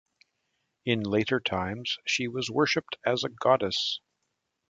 In later times, she was worshipped as a goddess.